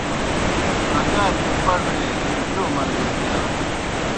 ہگار گہ پڙے جو ملگرتِیا